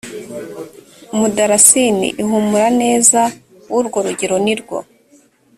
mudarasini ihumura neza w urwo rugero ni rwo